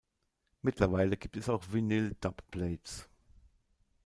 Mittlerweile gibt es auch Vinyl-Dubplates.